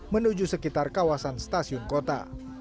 menuju sekitar kawasan stasiun kota